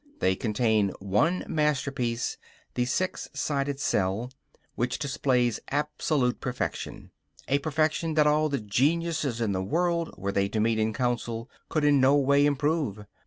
They contain one masterpiece, the six sided cell, which displays absolute perfection; a perfection that all the geniuses in the world, were they to meet in council, could in no way improve.